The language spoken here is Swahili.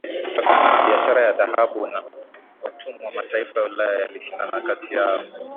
Kutokana na biashara ya dhahabu na watumwa mataifa ya Ulaya yalishindana kati yao